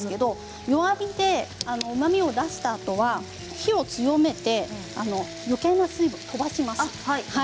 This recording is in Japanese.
弱火でうまみを出したあとは火を強めてよけいな水分を飛ばします。